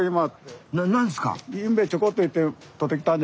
何ですか？